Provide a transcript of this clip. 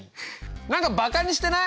何かバカにしてない？